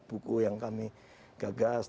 buku yang kami gagas